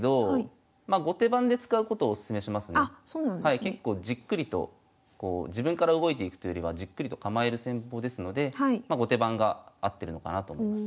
結構じっくりと自分から動いていくというよりはじっくりと構える戦法ですのでま後手番が合ってるのかなと思います。